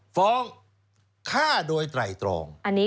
ฟ้องฆ่าโดยไตรตรอง